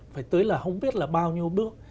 phải tới là không biết là bao nhiêu bước